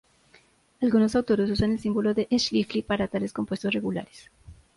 Algunos autores usan el símbolo de Schläfli para tales compuestos regulares.